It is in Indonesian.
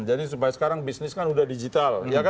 jadi supaya sekarang bisnis kan sudah digital